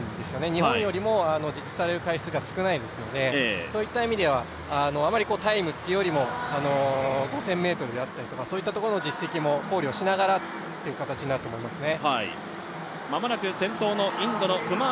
日本よりも実施される回数が少ないですので、そういった意味では、あまりタイムというよりも、５０００ｍであったりとか、そういったところの実績も考慮しながらという形になると思いますね。